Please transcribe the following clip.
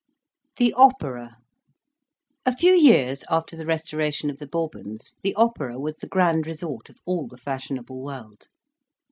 THE OPERA A few years after the restoration of the Bourbons, the opera was the grand resort of all the fashionable world.